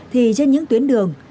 thì trên những tuyến đường